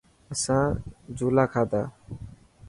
آسان جهولا کادا.